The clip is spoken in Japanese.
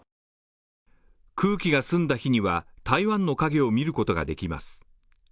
空気が澄んだ日には、台湾の影を見ることができます。